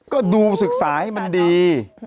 ก็ดูศึกษาให้มันดี